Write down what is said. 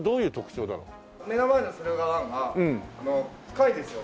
目の前の駿河湾が深いんですよ